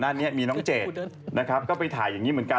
นักลูกพูดเจดนะครับก็ไปถ่ายอย่างนี่เหมือนกัน